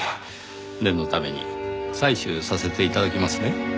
念のために採取させて頂きますね。